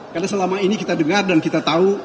karena selama ini kita dengar dan kita tahu